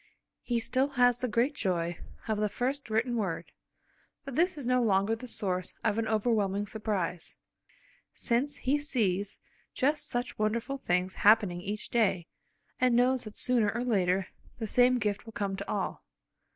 He still has the great joy of the first written word, but this is no longer the source of an overwhelming surprise, since he sees just such wonderful things happening each day, and knows that sooner or later the same gift will come to all.